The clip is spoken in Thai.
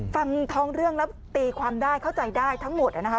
ฟังท้องเรื่องแล้วตีความได้เข้าใจได้ทั้งหมดนะคะ